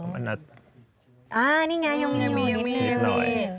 อันนี้ไงยังมีอยู่นิดหน่อย